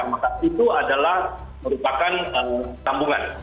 maka itu adalah merupakan tambungan